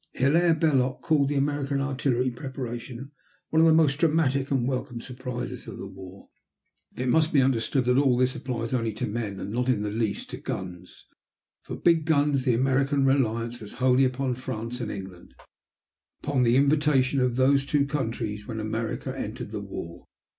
Hilaire Belloc called the American artillery preparation one of the most dramatic and welcome surprises of the war. It must be understood that all this applies only to men and not in the least to guns. For big guns, the American reliance was wholly upon France and England, upon the invitation of those two countries when America entered the war.